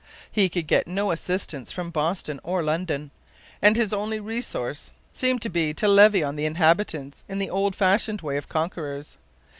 He could get no assistance from Boston or London, and his only resource seemed to be to levy on the inhabitants in the old fashioned way of conquerors.